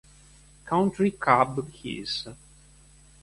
Country Club Hills